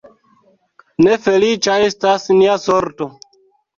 Ne feliĉa estas nia sorto!